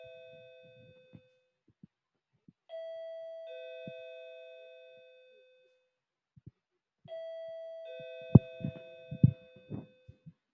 亲日反民族行为真相纠明委员会将大多数位列朝鲜贵族者列入亲日反民族行为者名单。